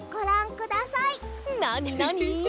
なになに？